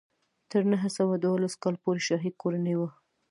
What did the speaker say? تر نهه سوه دولس کال پورې شاهي کورنۍ وه.